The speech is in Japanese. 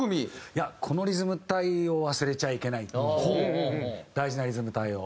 いやこのリズム隊を忘れちゃいけないっていう大事なリズム隊を。